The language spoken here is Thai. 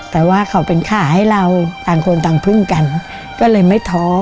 แต่ว่าเขาเป็นขาให้เราต่างคนต่างพึ่งกันก็เลยไม่ท้อ